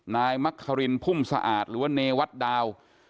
นายมะเขารินพุ่มสะอาดหรือว่าเนวัฒดาว